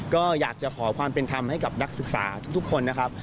ก็อยากจะขอความเป็นธรรมให้กับนักศึกษาทุกคนนะครับ